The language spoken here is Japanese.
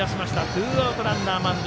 ツーアウト、ランナー満塁。